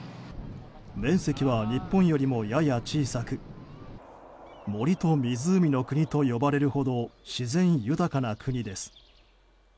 面積は日本よりも、やや小さく森と湖の国と呼ばれるほど自然豊かな国です。